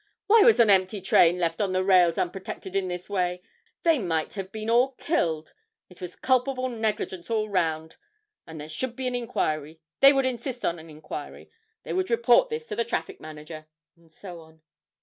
'Why was an empty train left on the rails unprotected in this way? they might have been all killed. It was culpable negligence all round, and there should be an inquiry they would insist on an inquiry they would report this to the traffic manager,' and so on.